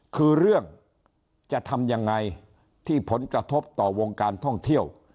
คือเรื่องจะทำยังไงที่ผลกระทบต่อวงการท่องเที่ยว